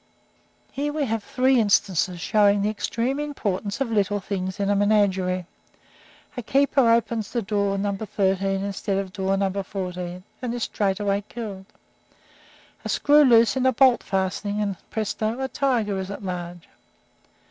Here we have three instances showing the extreme importance of little things in a menagerie. A keeper opens door No. 13 instead of door No. 14, and is straightway killed. A screw is loose in a bolt fastening, and, presto! a tiger is at large.